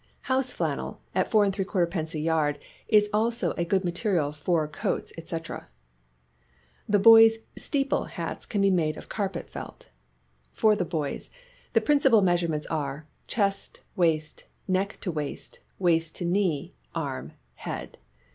House flannel at 4|d. a yard is also a good material for coats, &:c. The boys' " Steeple " hats can be made of carpet felt. For the boys, the principal measurements are : chest, waist, neck to waist, waist to knee, arm, head.